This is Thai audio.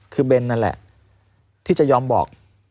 คือเบนนั่นแหละที่จะยอมบอก